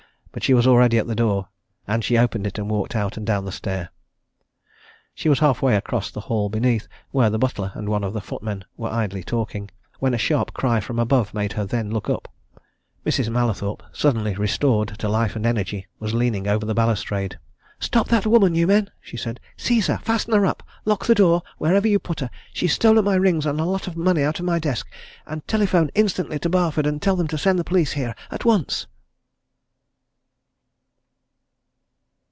But she was already at the door and she opened it and walked out and down the stair. She was half way across the hall beneath, where the butler and one of the footmen were idly talking, when a sharp cry from above made her then look up. Mrs. Mallathorpe, suddenly restored to life and energy, was leaning over the balustrade. "Stop that woman, you men!" she said. "Seize her! Fasten her up! lock the door wherever you put her! She's stolen my rings, and a lot of money out of my desk! And telephone instantly to Barford, and tell them to send the police here at once!"